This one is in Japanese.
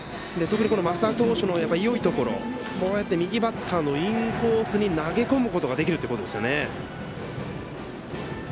升田投手のいいところ右バッターのインコースに投げ込むことができるということですね。